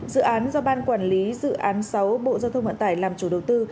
dự án do ban quản lý dự án sáu bộ giao thông vận tải làm chủ đầu tư